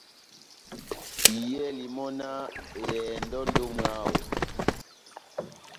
Iyɛli mɔ́náh :« ehɛndɔ endi ó mwáho. »